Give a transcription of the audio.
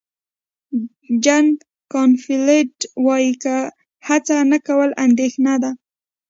جک کانفیلډ وایي هڅه نه کول اندېښنه ده.